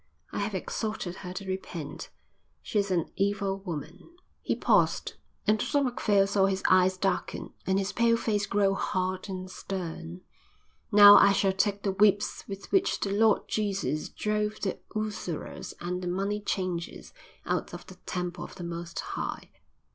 I have exhorted her to repent. She is an evil woman." He paused, and Dr Macphail saw his eyes darken and his pale face grow hard and stern. "Now I shall take the whips with which the Lord Jesus drove the usurers and the money changers out of the Temple of the Most High."